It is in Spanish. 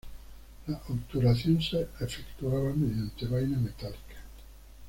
La obturación se efectuaba mediante vaina metálica.